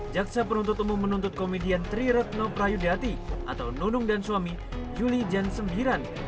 jaksa penuntut umum menuntut komedian triretno prayudati atau nunung dan suami yuli jan sembiran